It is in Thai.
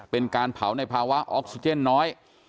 เป็นการเผาในภาวะออกซิเจนน้อย